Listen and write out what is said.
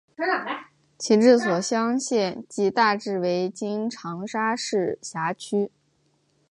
其治所湘县即大致为今长沙市辖区。